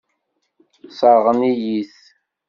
Sseṛɣen-iyi-t.